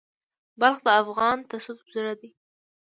بلخ د افغان تصوف زړه دی.